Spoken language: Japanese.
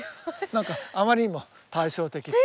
何かあまりにも対照的で。